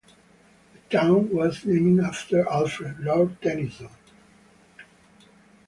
The town was named after Alfred, Lord Tennyson.